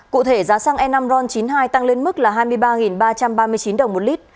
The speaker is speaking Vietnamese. cụ thể giá xăng e năm ron chín mươi hai tăng lên mức là hai mươi ba ba trăm ba mươi chín đồng một lít